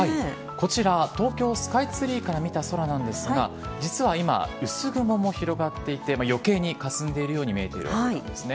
こちら東京スカイツリーから見た空なんですが実は今、薄雲も広がっていて余計にかすんでいるように見えているんですね。